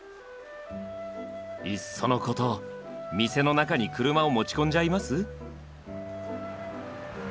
いっそのこと店の中に車を持ち込んじゃいます？